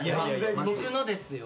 僕のですよ。